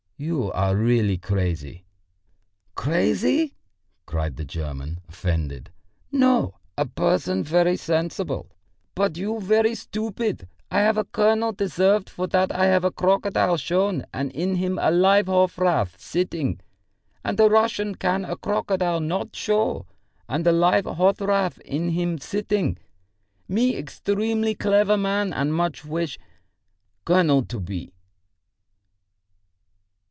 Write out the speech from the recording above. You are really crazy!" "Crazy!" cried the German, offended. "No, a person very sensible, but you very stupid! I have a colonel deserved for that I have a crocodile shown and in him a live hofrath sitting! And a Russian can a crocodile not show and a live hofrath in him sitting! Me extremely clever man and much wish colonel to be!"